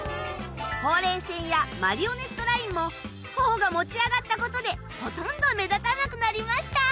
ほうれい線やマリオネットラインも頬が持ち上がったことでほとんど目立たなくなりました。